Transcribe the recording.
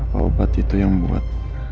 apa obat itu yang buat